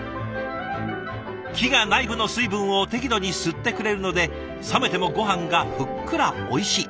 木が内部の水分を適度に吸ってくれるので冷めてもごはんがふっくらおいしい。